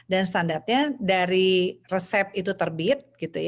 dan standarnya dari resep itu terbit